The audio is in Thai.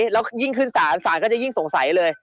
แล้วยิ่งขึ้นศาลศาลก็จะยิ่งสงสัยเลย